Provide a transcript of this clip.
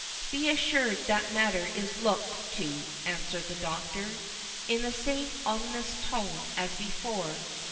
"Be assured, that matter is looked to," answered the Doctor, in the same ominous tone as before.